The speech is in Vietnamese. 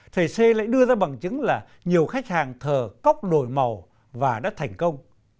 thầy c lại đưa ra bằng chứng là nhiều khách hàng thờ cóc đổi màu và đã thành công